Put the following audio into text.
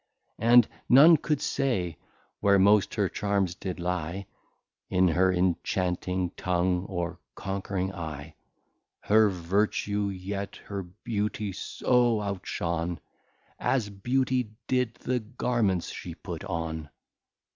And none could say, where most her Charms did lye, In her inchanting Tongue, or conquering Eye. Her Vertue yet her Beauties so out shon, As Beauty did the Garments she put on!